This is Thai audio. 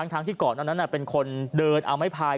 ทั้งที่ก่อนนั้นเป็นคนเดินเอาไม้พาย